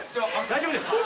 大丈夫ですか？